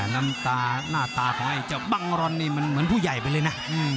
น้ำตาหน้าตาของไอ้เจ้าบังรอนนี่มันเหมือนผู้ใหญ่ไปเลยนะ